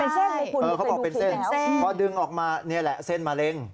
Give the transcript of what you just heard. ใช่เขาบอกเป็นเส้นเพราะดึงออกมานี่แหละเส้นมะเร็ง